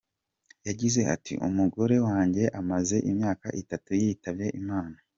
Yagize ati “Umugore wanjye amaze imyaka itatu yitabye Imana.